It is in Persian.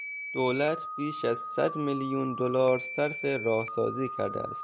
دولت بیش از صد میلیون دلار صرف راهسازی کرده است.